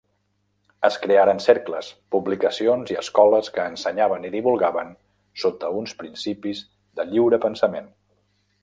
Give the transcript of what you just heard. Es crearen cercles, publicacions i escoles que ensenyaven i divulgaven sota uns principis de lliurepensament.